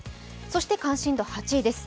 そして関心度８位です。